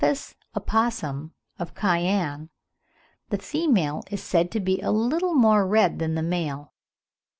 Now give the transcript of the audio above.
In the Didelphis opossum of Cayenne the female is said to be a little more red than the male.